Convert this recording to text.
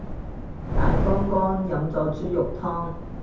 眼光光，飲咗豬肉湯